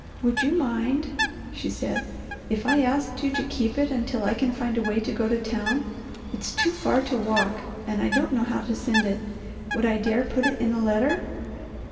"Would you mind," she said, "if I asked you to keep it until I can find a way to go to town? It's too far to walk and I don't know how to send it. Would I dare put it in a letter?"